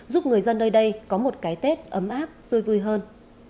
giúp người dân nơi đây có một cái tết ấm áp tươi vui hơn